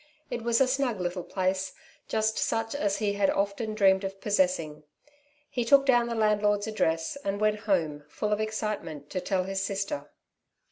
It was a snug little place, just such as he had often dreamed of possessing. Ho took down the landlord's address, and went home full of excitement to tell his sister.